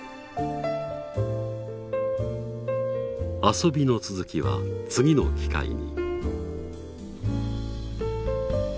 遊びの続きは次の機会に。